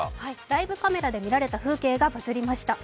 ライブカメラで写した風景がバズりました。